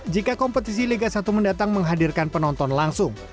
jika kompetisi liga satu mendatang menghadirkan penonton langsung